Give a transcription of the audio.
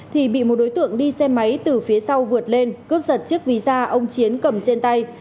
thì bị một đối tượng đi xe máy từ phía sau vượt lên cướp giật chiếc ví da ông chiến cầm trên tay